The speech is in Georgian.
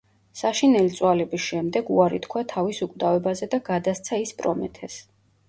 საშინელი წვალების შემდეგ, უარი თქვა თავის უკვდავებაზე და გადასცა ის პრომეთეს.